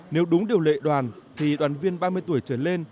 nếu đúng điều lệ đoàn thì đoàn viên ba mươi tuổi trở lên